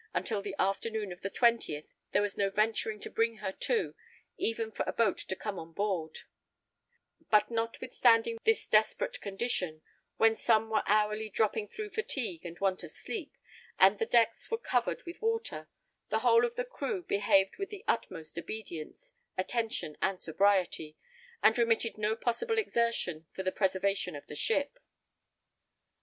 Until the afternoon of the 20th there was no venturing to bring her to, even for a boat to come on board; but, notwithstanding this desperate condition, when some were hourly dropping through fatigue and want of sleep, and the decks were covered with water, the whole of the crew behaved with the utmost obedience, attention and sobriety, and remitted no possible exertion for the preservation of the ship.